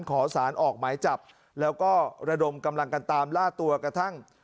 ขอสารออกหมายจับแล้วก็ระดมกำลังกันตามล่าตัวกระทั่ง